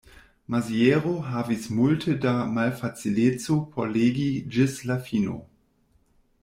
Maziero havis multe da malfacileco por legi ĝis la fino.